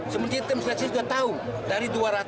sebenarnya teman teman sudah tahu dari dua ratus delapan puluh orang